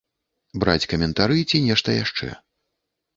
Браць каментары ці нешта яшчэ.